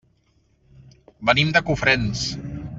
Venim de Cofrents.